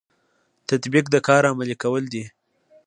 تطبیق د کار عملي کول دي